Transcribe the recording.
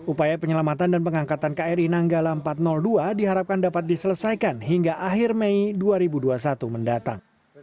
upaya penyelamatan dan pengangkatan kri nanggala empat ratus dua diharapkan dapat diselesaikan hingga akhir mei dua ribu dua puluh satu mendatang